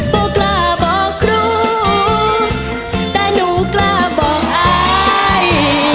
บอกกล้าบอกครูแต่หนูกล้าบอกอาย